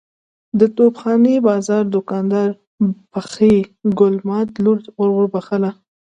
د توپ خانې بازار دوکاندار بخۍ ګل ماد لور ور وبخښله.